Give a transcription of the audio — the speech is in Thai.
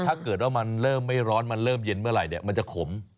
ถ้าเกิดว่ามันเริ่มไม่ร้อนมันเริ่มเย็นเมื่อไหร่มันจะขม